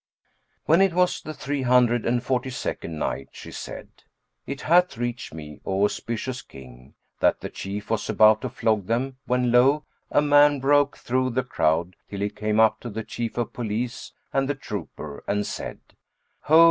When it was the Three Hundred and Forty second Night, She said, It hath reached me, O auspicious King, that the Chief was about to flog them when lo! a man broke through the crowd till he came up to the Chief of Police and the trooper and said; "Ho!